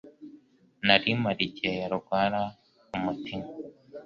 Nari mpari igihe yarwara umutima.